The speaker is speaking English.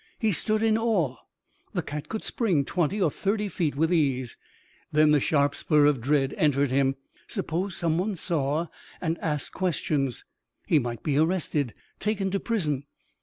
He stood in awe. The cat could spring twenty or thirty feet with ease. Then the sharp spur of dread entered him. Suppose someone saw and asked questions. He might be arrested, taken to prison.